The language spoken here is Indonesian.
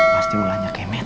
pasti ulangnya kemet